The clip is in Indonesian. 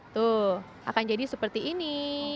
tuh akan jadi seperti ini